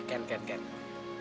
ken ken ken